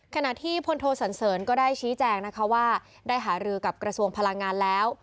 ขณะที่พลโทสันเสริญก็ได้ชี้แจงนะคะว่าได้หารือกับกระทรวงพลังงานแล้ว